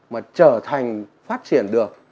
mà trở thành phát triển được